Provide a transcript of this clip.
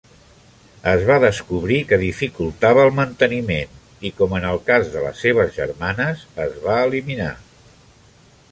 Es va descobrir que dificultava el manteniment i, com en el cas de les seves germanes, es va eliminar.